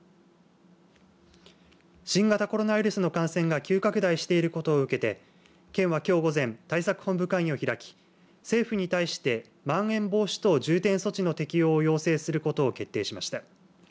新型コロナウイルスの感染が急拡大していることを受けて県はきょう午前対策本部会議を開き政府に対してまん延防止等重点措置の適用を要請することを決定しました。